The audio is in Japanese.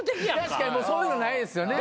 確かにもうそういうのないですよね。